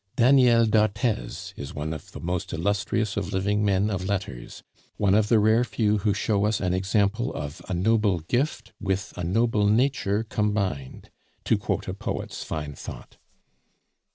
Daniel d'Arthez is one of the most illustrious of living men of letters; one of the rare few who show us an example of "a noble gift with a noble nature combined," to quote a poet's fine thought.